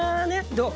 どう？